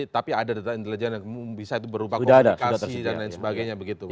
tapi ada data intelijen yang bisa itu berupa komunikasi dan lain sebagainya begitu